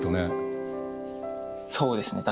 そうですね